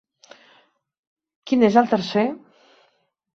Quin és el tercer?.